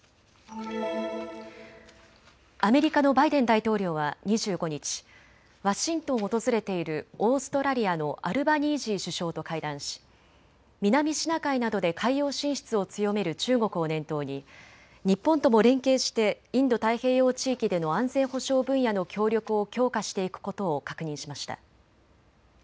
アメリカのバイデン大統領は２５日、ワシントンを訪れているオーストラリアのアルバニージー首相と会談し南シナ海などで海洋進出を強める中国を念頭に日本とも連携してインド太平洋地域での安全保障分野の協力を強化していくことを確認しました。